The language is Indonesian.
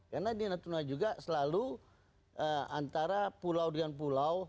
karena di natuna juga selalu antara pulau dengan pulau